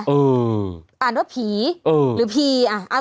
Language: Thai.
ถือว่าผีหรือพีอ่า